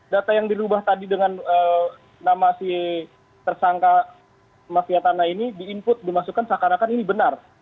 data yang dirubah tadi dengan nama si tersangka mafia tanah ini di input dimasukkan seakan akan ini benar